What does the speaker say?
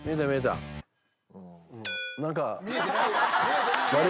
何か。